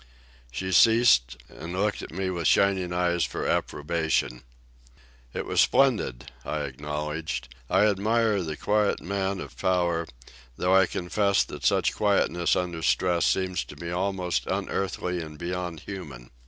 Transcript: She ceased, and looked at me with shining eyes for approbation. "It was splendid," I acknowledged. "I admire the quiet man of power, though I confess that such quietness under stress seems to me almost unearthly and beyond human.